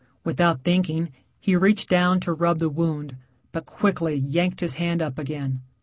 Without thinking he reached down to rub the wound, but quickly yanked his hand up again.